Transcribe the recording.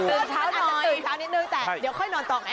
อาจจะตื่นเช้านิดนึงแต่เดี๋ยวค่อยนอนต่อไง